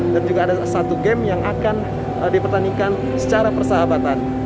dan juga ada satu game yang akan dipertandingkan secara persahabatan